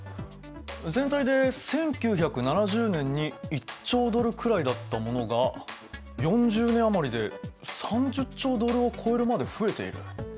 全体で１９７０年に１兆ドルくらいだったものが４０年余りで３０兆ドルを超えるまで増えている。